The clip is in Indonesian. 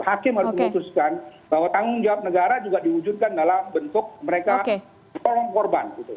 hakim harus memutuskan bahwa tanggung jawab negara juga diwujudkan dalam bentuk mereka tolong korban